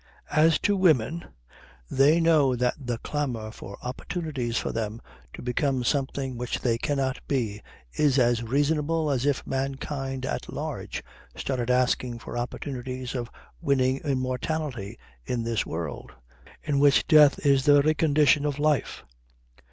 As to women, they know that the clamour for opportunities for them to become something which they cannot be is as reasonable as if mankind at large started asking for opportunities of winning immortality in this world, in which death is the very condition of life.